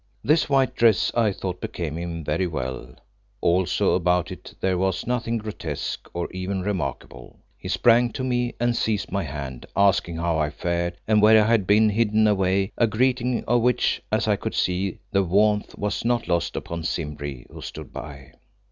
This white dress I thought became him very well, also about it there was nothing grotesque or even remarkable. He sprang to me and seized my hand, asking how I fared and where I had been hidden away, a greeting of which, as I could see, the warmth was not lost upon Simbri, who stood by.